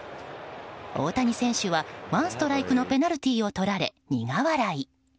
大谷選手はワンストライクのペナルティーをとられ苦笑い。